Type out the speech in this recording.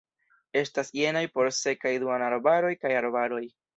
Estas jenaj por sekaj duonarbaroj kaj arbaroj.